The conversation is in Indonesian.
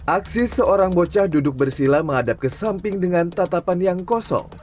aksi seorang bocah duduk bersila menghadap ke samping dengan tatapan yang kosong